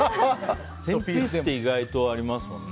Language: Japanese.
１０００ピースって意外とありますもんね。